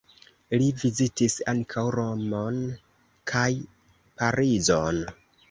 Li vizitis ankaŭ Romon kaj Parizon.